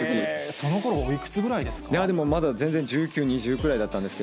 そのころ、おいくつぐらいだったんですか？